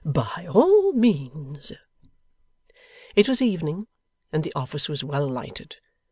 'By all means.' It was evening, and the office was well lighted.